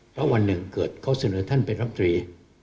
เพราะวันหนึ่งเกิดเขาเสนอท่านเป็นรับตรี